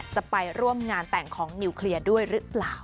จะไปร่วมงานแต่งของนิวเคลียร์ด้วยหรือเปล่า